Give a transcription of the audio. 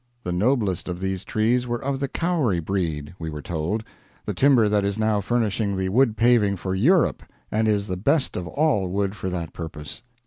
The noblest of these trees were of the Kauri breed, we were told the timber that is now furnishing the wood paving for Europe, and is the best of all wood for that purpose.